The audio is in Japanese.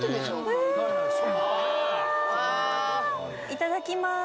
いただきます。